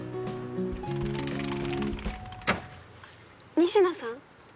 仁科さん？